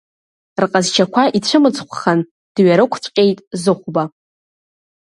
Рҟазшьақәа ицәымцхәхан дҩарықәцәҟьеит Зыхәба.